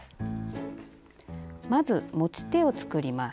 まず持ち手を作ります。